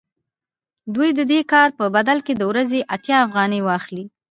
دوی د دې کار په بدل کې د ورځې اتیا افغانۍ واخلي